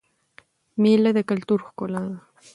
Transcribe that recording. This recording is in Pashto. مېلې د کلتور ښکلا ده.